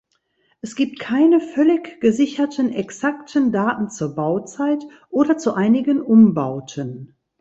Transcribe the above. Es gibt keine völlig gesicherten exakten Daten zur Bauzeit oder zu einigen Umbauten.